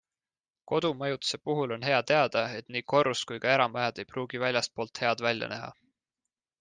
Kodumajutuse puhul on hea teada, et nii korrus- kui ka eramajad ei pruugi väljastpoolt head välja näha.